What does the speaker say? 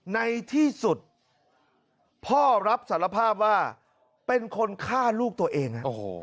ในที่สุดพ่อรับสารภาพว่าเป็นคนฆ่าลูกตัวเอง